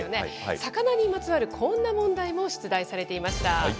魚にまつわるこんな問題も出題されていました。